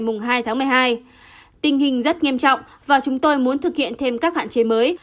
mùng hai tháng một mươi hai tình hình rất nghiêm trọng và chúng tôi muốn thực hiện thêm các hạn chế mới